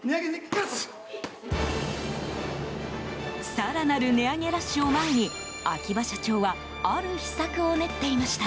更なる値上げラッシュを前に秋葉社長はある秘策を練っていました。